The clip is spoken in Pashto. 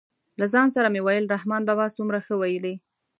له ځان سره مې ویل رحمان بابا څومره ښه ویلي.